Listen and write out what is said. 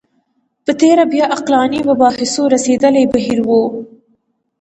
په تېره بیا عقلاني مباحثو رسېدلی بهیر و